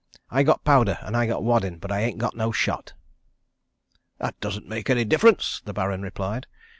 I got powder, an' I got waddin', but I ain't got no shot." "That doesn't make any difference," the Baron replied.